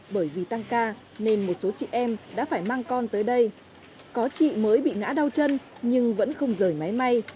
bởi vì tăng ca nên một số chị em đã phải mang con tới đây có chị mới bị ngã đau chân nhưng vẫn không rời máy may